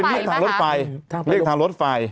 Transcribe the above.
เรียกทางรถไฟเรียกทางรถไฟ